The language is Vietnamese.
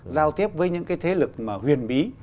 giao tiếp với những cái thế lực mà huyền bí